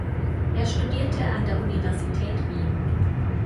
Er studierte an der Universität Wien.